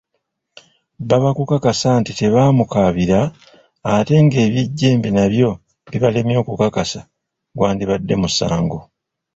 Baba kukakasa nti tebaamukaabira, ate ng'eby'ejjembe nabyo bibalemye okukakasa, gwandibadde musango.